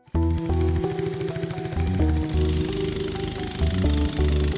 sampai jumpa di video selanjutnya